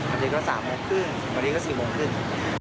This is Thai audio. อันนี้ก็สามโมงครึ่งอันนี้ก็สี่โมงครึ่ง